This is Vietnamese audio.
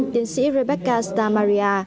tiến sĩ rebecca stamaria